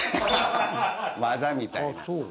技みたいな。